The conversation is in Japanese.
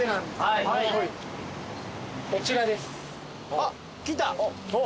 あっきた。